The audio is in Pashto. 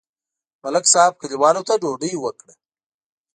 ملک صاحب کلیوالو ته ډوډۍ وکړه.